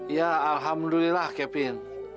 ya alhamdulillah kevin